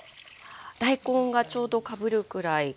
大根がちょうどかぶるぐらいかな。